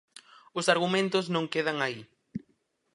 Os argumentos non quedan aí.